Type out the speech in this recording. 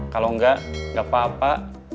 kalau enggak enggak apa apa